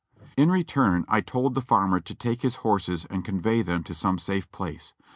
In return I told the farmer to take his horses and con vey them to some safe place.